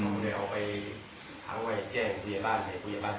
๔โมงเย็นแล้วมันลบถึง